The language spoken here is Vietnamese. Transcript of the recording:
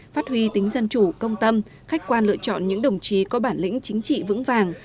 phát huy tính dân chủ công tâm khách quan lựa chọn những đồng chí có bản lĩnh chính trị vững vàng